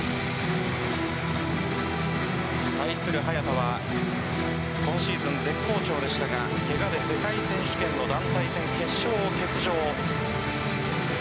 対する早田は今シーズン絶好調でしたがけがで世界選手権の団体戦決勝を欠場。